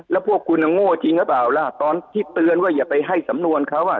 แล้วพวกคุณโง่จริงหรือเปล่าล่ะตอนที่เตือนว่าอย่าไปให้สำนวนเขาอ่ะ